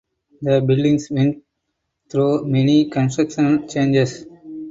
The buildings went through many constructional changes.